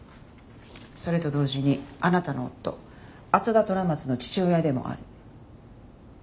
それと同時にあなたの夫朝田虎松の父親でもある。